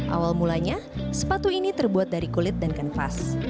awal mulanya sepatu ini terbuat dari kulit dan kanvas